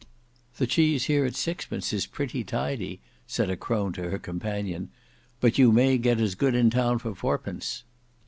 "The cheese here at sixpence is pretty tidy," said a crone to her companion; "but you may get as good in town for fourpence."